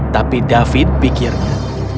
tapi david pikirnya